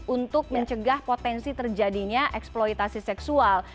untuk mencegah potensi terjadinya eksploitasi seksual